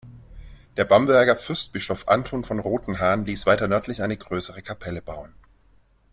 Der Bamberger Fürstbischof Anton von Rotenhan ließ weiter nördlich eine größere Kapelle bauen.